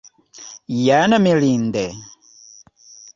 Jen mirinde!